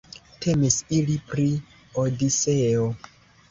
Temis ili pri Odiseo.